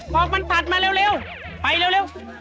บอกมันตัดมาเร็วไปเร็ว